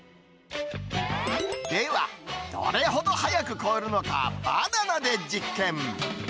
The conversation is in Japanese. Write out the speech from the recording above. では、どれほど速く凍るのか、バナナで実験。